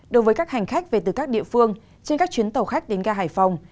đối với các hành khách về từ các địa phương trên các chuyến tàu khách đến ga hải phòng